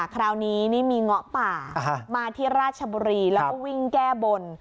คราวนี้นี่มีเงาะป่ามาที่ราชบุรีแล้วก็วิ่งแก้บน